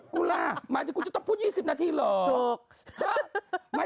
กูล่ะหมายถึงกูจะต้องพูด๒๐นาทีเหรอ